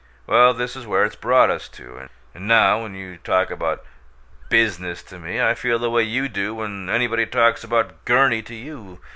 Well, this is where it's brought us to and now when you talk about 'business' to me I feel the way you do when anybody talks about Gurney to you.